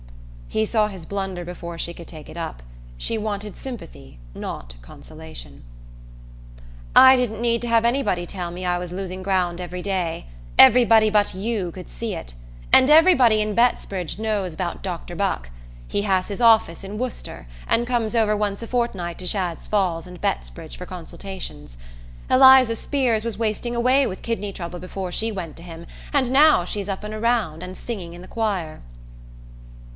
He saw his blunder before she could take it up: she wanted sympathy, not consolation. "I didn't need to have anybody tell me I was losing ground every day. Everybody but you could see it. And everybody in Bettsbridge knows about Dr. Buck. He has his office in Worcester, and comes over once a fortnight to Shadd's Falls and Bettsbridge for consultations. Eliza Spears was wasting away with kidney trouble before she went to him, and now she's up and around, and singing in the choir."